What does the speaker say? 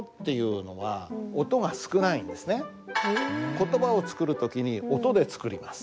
言葉を作る時に音で作ります。